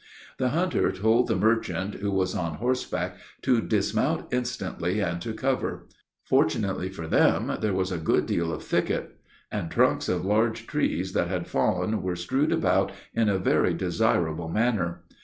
The hunter told the merchant, who was on horseback, to dismount instantly, "and to cover." Fortunately for them, there was a good deal of thicket, and trunks of large trees that had fallen were strewed about in a very desirable manner.